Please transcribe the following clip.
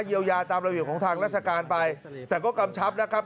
เยียวยาตามระเบียบของทางราชการไปแต่ก็กำชับนะครับ